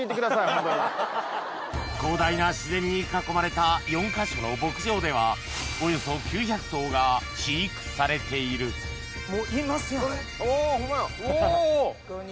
広大な自然に囲まれた４か所の牧場ではおよそ９００頭が飼育されているもういますやん。